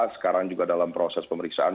sekarang juga dalam proses pemeriksaan